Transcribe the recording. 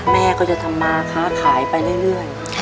แม่ก็จะทำมาค้าขายไปเรื่อย